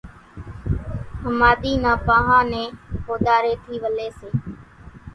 ۿماۮي نان پاۿان نين ڪوۮارين ٿي ولي سي